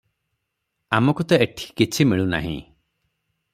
ଆମକୁ ତ ଏଠି କିଛି ମିଳୁ ନାହିଁ ।